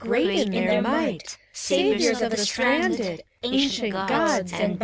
Great in their might,— Saviours of the stranded, Ancient Grods, and banded.